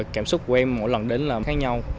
cảm xúc của em mỗi lần đến làm khác nhau